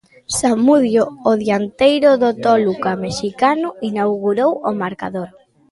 Samudio, o dianteiro do Toluca mexicano, inaugurou o marcador.